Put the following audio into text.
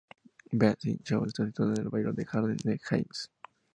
Best in Show está situado en el barrio de Jardín Heights.